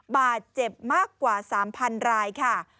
บาดเจ็บมากกว่า๓๐๐รายค่ะ